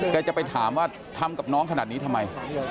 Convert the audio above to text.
จะไปถามว่าทำกับน้องขนาดนี้ทำไม